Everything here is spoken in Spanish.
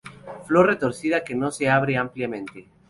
Flor retorcida, que no se abre ampliamente.